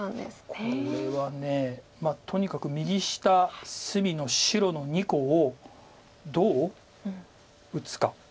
これはとにかく右下隅の白の２個をどう打つか。